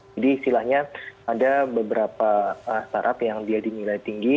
jadi istilahnya ada beberapa startup yang dia dinilai tinggi